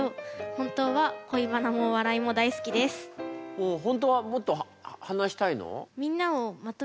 えっと本当はもっと話したいの？